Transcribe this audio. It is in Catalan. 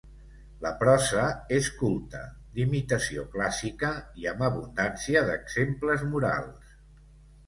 La prosa és culta, d'imitació clàssica i amb abundància d'exemples morals.